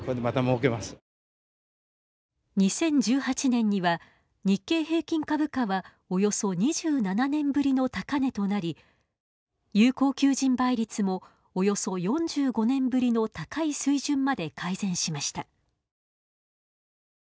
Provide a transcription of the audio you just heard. ２０１８年には日経平均株価はおよそ２７年ぶりの高値となり有効求人倍率もおよそ４５年ぶりの高い水準まで改善しました。